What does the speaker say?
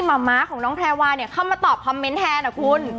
มาม้าของน้องแพรวานเข้ามาตอบคอมเม้นท์แท้นะคุณ